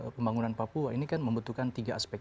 pembangunan papua ini kan membutuhkan tiga aspek